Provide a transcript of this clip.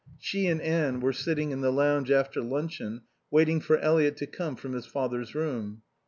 She and Anne were sitting in the lounge after luncheon, waiting for Eliot to come from his father's room.